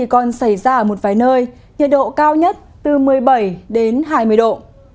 còn xảy ra ở một vài nơi nhiệt độ cao nhất từ một mươi bảy đến hai mươi độ